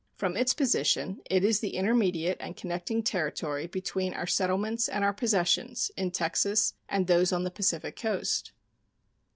From its position it is the intermediate and connecting territory between our settlements and our possessions in Texas and those on the Pacific Coast.